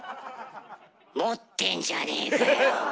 持ってんじゃねえかよ。